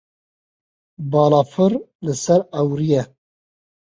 Balafir li ser ewrî ye.